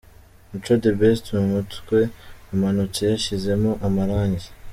Mico The Best mu mutwe ,amanutse yashyizemo amarangi.